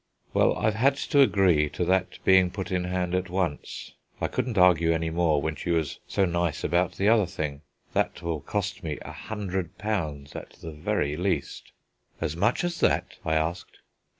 "Well, I've had to agree to that being put in hand at once; I couldn't argue any more when she was so nice about the other thing. That will cost me a hundred pounds, at the very least." "As much as that?" I asked.